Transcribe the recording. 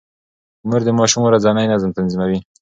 مور د ماشوم ورځنی نظم تنظيموي.